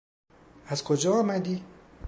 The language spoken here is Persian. از کجا آمدی؟